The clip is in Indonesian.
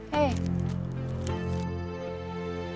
hei kamu mau ikut campur